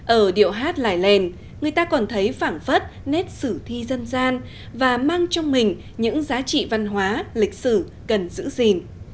ở điệu hát lại lèn người ta còn thấy phản phất nét sử thi dân gian và mang trong mình những giá trị văn hóa lịch sử cần giữ gìn